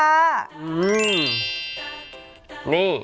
อื้มมมนี่